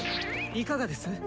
いかがです？